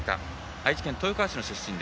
愛知県豊川市の出身。